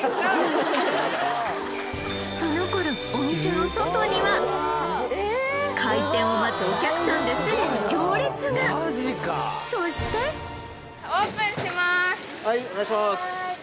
その頃お店の外には開店を待つお客さんですでに行列がそして・はいお願いします